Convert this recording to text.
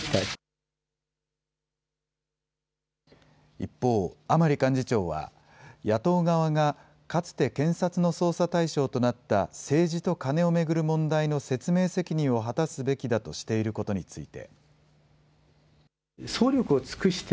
一方、甘利幹事長は、野党側が、かつて検察の捜査対象となった政治とカネを巡る問題の説明責任を果たすべきだとしていることについて。